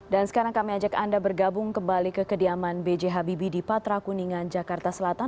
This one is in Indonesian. dan sekarang kami ajak anda bergabung kembali ke kediaman bj habibie di patra kuningan jakarta selatan